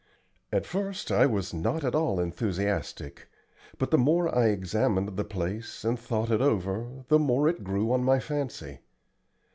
At first I was not at all enthusiastic, but the more I examined the place, and thought it over, the more it grew on my fancy.